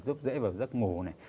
giúp dễ vào giấc ngủ này